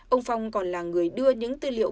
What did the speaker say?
ông phong còn là người đưa những tư liệu